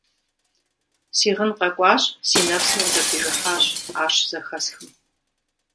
Си гъын къэкӀуащ, си нэпсым къызэпижыхьащ, ар щызэхэсхым…